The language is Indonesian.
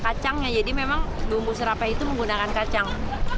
kacangnya jadi memang bumbu serapai itu menggunakan kacang